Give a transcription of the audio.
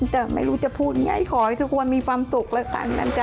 แต่ไม่รู้จะพูดอย่างไรขอให้ทุกคนมีความสุขเลยค่ะอย่างนั้นจ้ะ